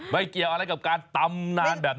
เกี่ยวอะไรกับการตำนานแบบนี้